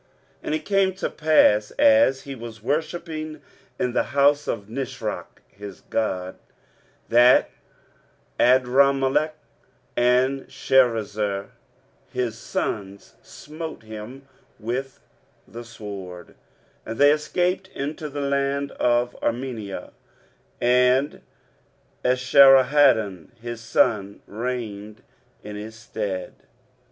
23:037:038 And it came to pass, as he was worshipping in the house of Nisroch his god, that Adrammelech and Sharezer his sons smote him with the sword; and they escaped into the land of Armenia: and Esarhaddon his son reigned in his stead.